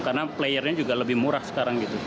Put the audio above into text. karena playernya juga lebih murah sekarang gitu